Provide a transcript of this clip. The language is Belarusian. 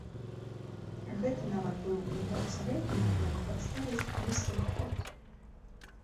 Гэты нават быў не так сярэдніх, як пад старасць блізкіх год.